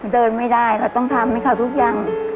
เดินไม่ได้เขาต้องทำให้เขาทุกอย่าง